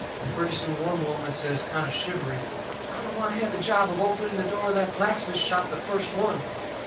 Pretty soon one woman says, kind o' shivery: "I don't want to have the job of opening the door of that blacksmith shop the first one!"